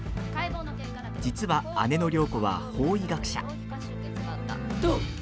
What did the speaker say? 実は、姉の涼子は法医学者。